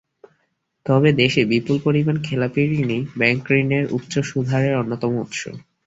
তবে দেশে বিপুল পরিমাণ খেলাপি ঋণই ব্যাংকঋণের উচ্চ সুদহারের অন্যতম উৎস।